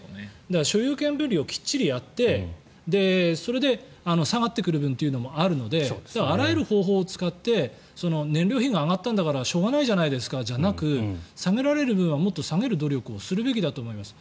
所有権分離をきっちりやってそれで下がってくる分もあるのであらゆる方法を使って燃料費が上がったんだからしょうがないじゃないですかじゃなくて下げられる分はもっと下げる努力をするべきだと思います。